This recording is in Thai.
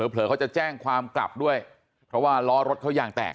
เผลอเขาจะแจ้งความกลับด้วยเพราะว่าล้อรถเขายางแตก